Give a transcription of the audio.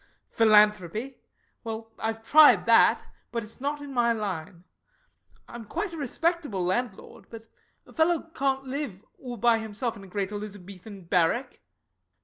Philanthropy! Well, I've tried that, but it's not in my line. I'm quite a respectable landlord, but a fellow can't live all by himself in a great Elizabethan barrack.